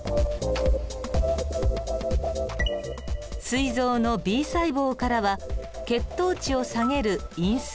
すい臓のＢ細胞からは血糖値を下げるインスリン。